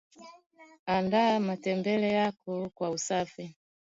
andaa matembele yako kwa usafi